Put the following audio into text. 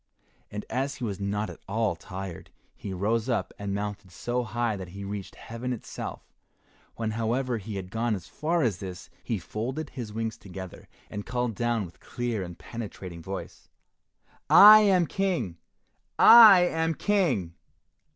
And as he was not at all tired, he rose up and mounted so high that he reached heaven itself. When, however, he had gone as far as this, he folded his wings together, and called down with clear and penetrating voice, "I am King! I am King."